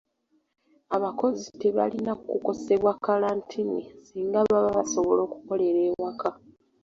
Abakozi tebalina kukosebwa kalantiini singa baba basobola okukolera ewaka.